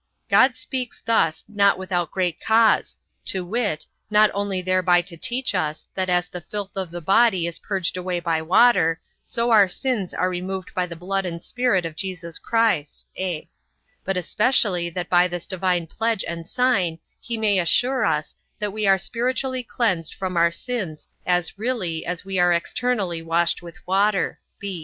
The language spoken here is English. God speaks thus not without great cause, to wit, not only thereby to teach us, that as the filth of the body is purged away by water, so our sins are removed by the blood and Spirit of Jesus Christ; (a) but especially that by this divine pledge and sign he may assure us, that we are spiritually cleansed from our sins as really, as we are externally washed with water.